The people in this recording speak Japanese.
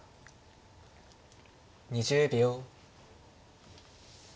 ２０秒。